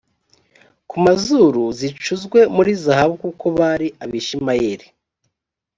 ku mazuru zicuzwe muri zahabu kuko bari abishimayeli